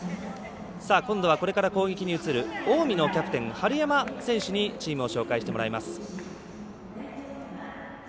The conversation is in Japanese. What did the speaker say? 今度はこれから攻撃に移る近江のキャプテン春山選手にチームを紹介してもらいます。